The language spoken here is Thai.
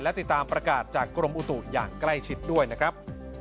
และติดตามประกาศจากกรมอุตุอย่างใกล้ชิดด้วยนะครับ